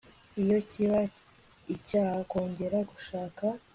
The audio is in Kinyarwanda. iyo kiba icyaha kongera gushaka